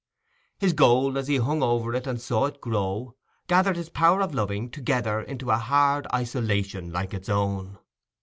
His gold, as he hung over it and saw it grow, gathered his power of loving together into a hard isolation like its own.